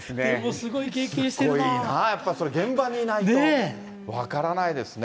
すごいな、それ現場にいないと分からないですね。